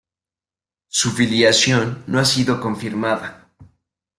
Su filiación no ha sido confirmada.